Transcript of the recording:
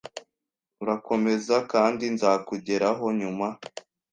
Urakomeza kandi nzakugeraho nyuma